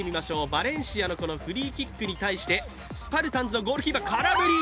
バレンシアのフリーキックに対してスパルタンズのゴールキーパー、空振り。